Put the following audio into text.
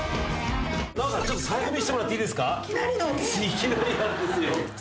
いきなりなんですよ。